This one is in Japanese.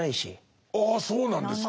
ああそうなんですか。